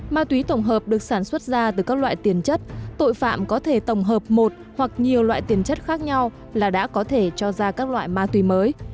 ma túy tổng hợp được sản xuất ra từ các loại tiền chất tội phạm có thể tổng hợp một hoặc nhiều loại tiền chất khác nhau là đã có thể cho ra các loại ma túy mới